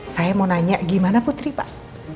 saya mau nanya gimana putri pak